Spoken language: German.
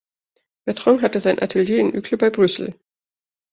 Bertrand hatte seine Atelier in Uccle bei Brüssel.